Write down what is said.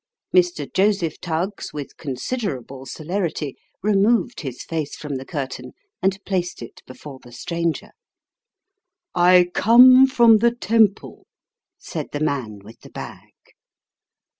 Mr. Joseph Tuggs, with considerable celerity, removed his face from the curtain and placed it before the stranger. " I come from the Temple," said the man with the bag.